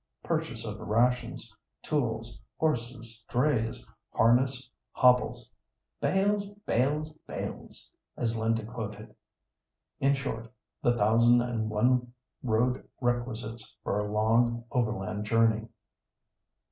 Purchase of rations, tools, horses, drays, harness, hobbles, "bells, bells, bells"—as Linda quoted—in short, the thousand and one road requisites for a long overland journey.